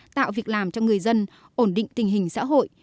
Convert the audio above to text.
tạo việc làm cho người dân ổn định tình hình xã hội